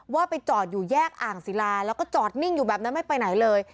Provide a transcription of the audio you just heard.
ว่าไปจอดอยู่แยกอ่างศิลาแล้วก็จอดนิ่งอยู่แบบนั้นไม่ไปไหนเลย